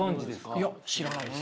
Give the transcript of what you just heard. いや知らないです。